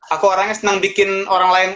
aku orangnya senang bikin orang lain